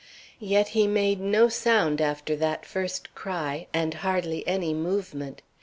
Yet he made no sound after that first cry, and hardly any movement.